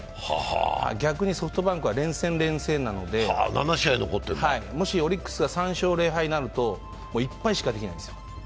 逆にソフトバンクは連戦、連戦なのでもしオリックスが３勝０敗になると、もう１敗しかできないんですよ。